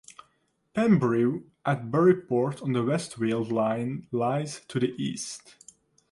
Pembrey and Burry Port on the West wales line lies to the east.